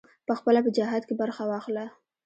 پخپله په جهاد کې برخه واخله.